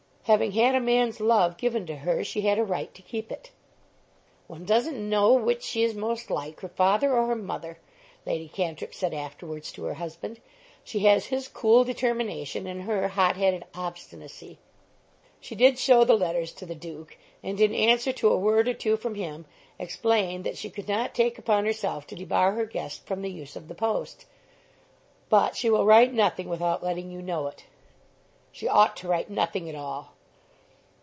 Having had a man's love given to her she had a right to keep it. "One doesn't know which she is most like, her father or her mother," Lady Cantrip said afterwards to her husband. "She has his cool determination, and her hot headed obstinacy." She did show the letters to the Duke, and in answer to a word or two from him explained that she could not take upon herself to debar her guest from the use of the post. "But she will write nothing without letting you know it." "She ought to write nothing at all."